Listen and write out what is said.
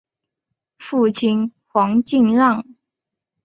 父亲黄敬让。